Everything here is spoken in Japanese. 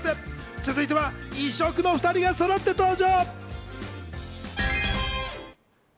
続いては異色な２人がそろって登場。